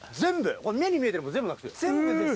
目に見えてるもの全部なくす。